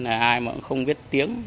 ai mà cũng không biết tiếng